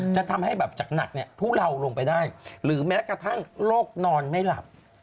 จะทำให้แบบจากหนักเนี่ยทุเลาลงไปได้หรือแม้กระทั่งโรคนอนไม่หลับ